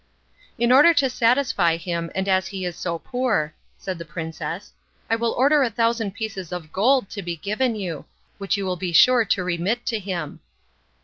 "In order to satisfy him and as he is so poor," said the princess, "I will order a thousand pieces of gold to be given you, which you will be sure to remit to him."